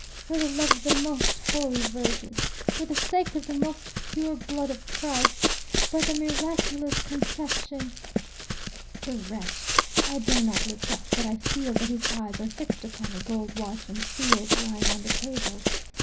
For the love of the most Holy Virgin! For the sake of the most pure blood of Christ! By the miraculous Conception! " The wretch! I dare not look up, but I feel that his eyes are fixed upon a gold watch and seals lying on the table.